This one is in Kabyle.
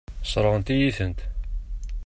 Sseṛɣent-iyi-tent.